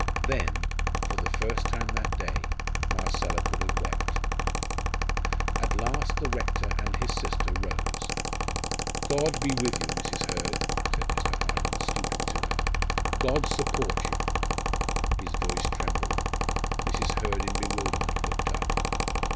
Then, for the first time that day, Marcella could have wept. At last the rector and his sister rose. "God be with you, Mrs. Hurd," said Mr. Harden, stooping to her; "God support you!" His voice trembled. Mrs. Hurd in bewilderment looked up.